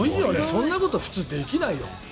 そんなこと普通できないよ。